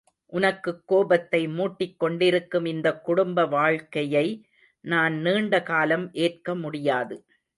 உனக்குக் கோபத்தை மூட்டிக் கொண்டிருக்கும் இந்தக் குடும்ப வாழ்க்கையை, நான் நீண்ட காலம் ஏற்க முடியாது.